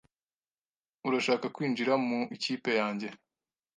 Urashaka kwinjira mu ikipe yanjye?